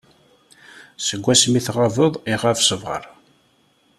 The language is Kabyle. Seg asmi tɣabeḍ iɣab ṣṣber.